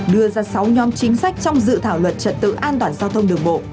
đưa ra sáu nhóm chính sách trong dự thảo luật trật tự an toàn giao thông đường bộ